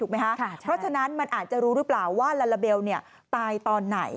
เพราะฉะนั้นมันอาจจะรู้หรือเปล่าว่าลาลาเบลตายตอนไหน